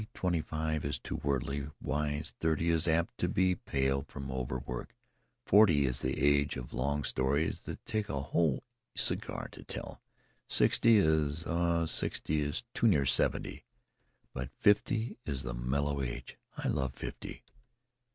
Twenty five is too worldly wise; thirty is apt to be pale from overwork; forty is the age of long stories that take a whole cigar to tell; sixty is oh, sixty is too near seventy; but fifty is the mellow age. I love fifty."